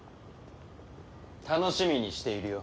楽しみにしているよ。